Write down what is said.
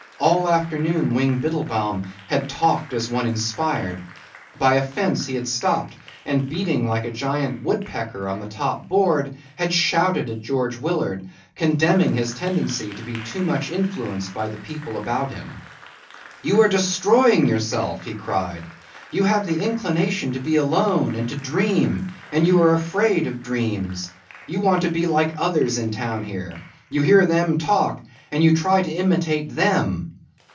All afternoon Wing Biddlebaum had talked as one inspired. By a fence he had stopped and beating like a giant woodpecker upon the top board had shouted at George Willard, condemning his tendency to be too much influenced by the people about him, "You are destroying yourself," he cried. "You have the inclination to be alone and to dream and you are afraid of dreams. You want to be like others in town here. You hear them talk and you try to imitate them."